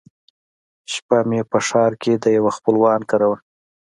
شپه مې په ښار کښې د يوه خپلوان کره وه.